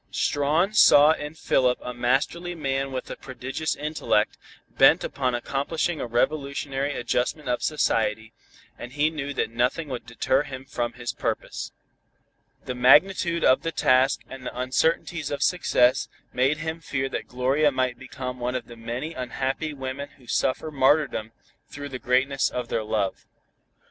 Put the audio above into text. Strawn saw in Philip a masterly man with a prodigious intellect, bent upon accomplishing a revolutionary adjustment of society, and he knew that nothing would deter him from his purpose. The magnitude of the task and the uncertainties of success made him fear that Gloria might become one of the many unhappy women who suffer martyrdom through the greatness of their love.